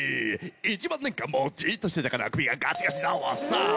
１万年間もじっとしてたから首がガチガチだわさ